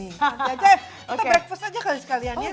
kita kita beli sarapan aja kali sekalian ya